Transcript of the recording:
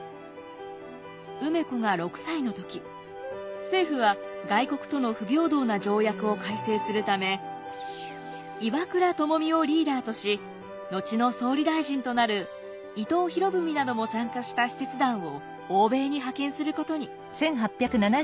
梅子が６歳の時政府は外国との不平等な条約を改正するため岩倉具視をリーダーとし後の総理大臣となる伊藤博文なども参加した使節団を欧米に派遣することに。